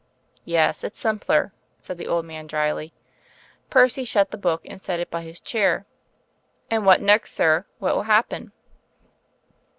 "Yes, it's simpler," said the old man drily. Percy shut the book and set it by his chair. "And what next, sir? What will happen?"